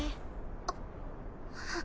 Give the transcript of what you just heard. あっ。